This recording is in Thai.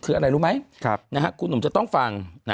คืออะไรรู้ไหมคุณหนุ่มจะต้องฟัง